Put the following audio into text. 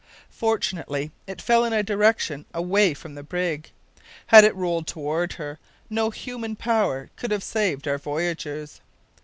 Fortunately it fell in a direction away from the brig. Had it rolled toward her, no human power could have saved our voyagers.